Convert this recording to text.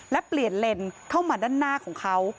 และเปลี่ยนเลนเข้ามาด้านหน้าของเขา